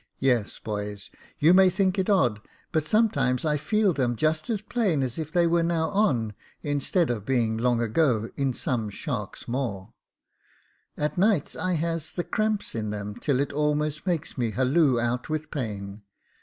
Yes, boys ; you may think it odd, but sometimes I feel them just as plain as if they were now on, instead of being long ago in some shark's maw. At nights I has the cramp in them till it almost makes me halloo out with pain.